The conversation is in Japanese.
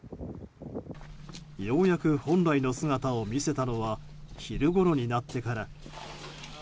ようやく本来の姿を見せたのは昼ごろになってから。